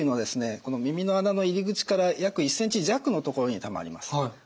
この耳の穴の入り口から約１ｃｍ弱のところにたまります。